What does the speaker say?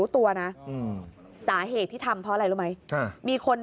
ตัวนะสาเหตุที่ทำเพราะอะไรรู้ไหมมีคน